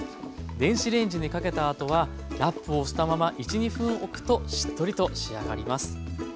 電子レンジにかけたあとはラップをしたまま１２分おくとしっとりと仕上がります。